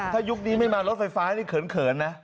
ถ้ายุคนี้ไม่มารถไฟฟ้านี่เขินนะ